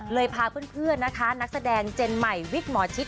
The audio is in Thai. พาเพื่อนนะคะนักแสดงเจนใหม่วิกหมอชิด